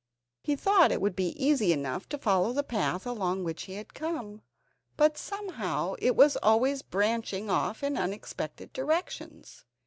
He thought it would be easy enough to follow the path along which he had come, but somehow it was always branching off in unexpected directions.